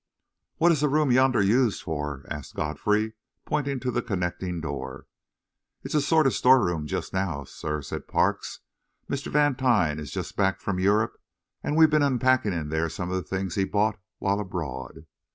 "What is the room yonder used for?" asked Godfrey, pointing to the connecting door. "It's a sort of store room just now, sir," said Parks. "Mr. Vantine is just back from Europe, and we've been unpacking in there some of the things he bought while abroad."